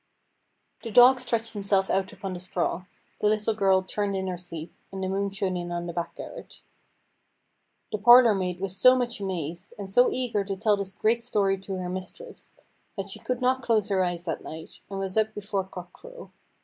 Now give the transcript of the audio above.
The dog stretched himself out upon the straw, the little girl turned in her sleep, and the moon shone in on the back garret. The parlour maid was so much amazed, and so eager to tell this great story to her mistress, that she could not close her eyes that night, and was up before cock crow.